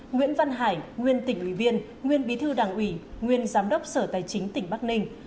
nguyễn văn hải nguyên tỉnh ủy viên nguyên bí thư đảng ủy nguyên giám đốc sở tài chính tỉnh bắc ninh